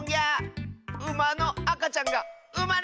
ウマのあかちゃんが「うま」れた！